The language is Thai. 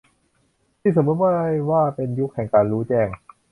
นี่สมมติได้ว่าเป็นยุคแห่งการรู้แจ้ง